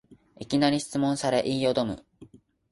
いきなり質問され言いよどむ